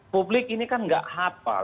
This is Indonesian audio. publik ini kan gak hafal